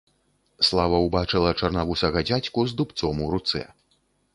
Слава ўбачыла чарнавусага дзядзьку з дубцом у руцэ.